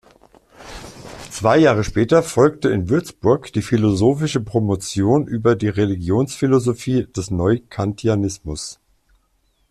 Zwei Jahre später folgte in Würzburg die philosophische Promotion über "Die Religionsphilosophie des Neukantianismus".